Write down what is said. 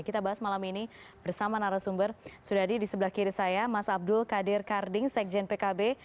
kita bahas malam ini bersama narasumber sudadi di sebelah kiri saya mas abdul qadir karding sekjen pkb